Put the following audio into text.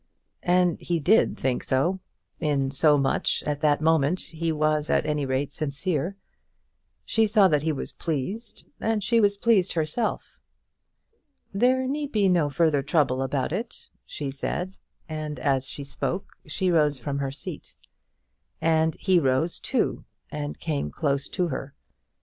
And he did think so. In so much at that moment he was at any rate sincere. She saw that he was pleased, and she was pleased herself. "There need be no further trouble about it," she said; and as she spoke she rose from her seat. And he rose, too, and came close to her.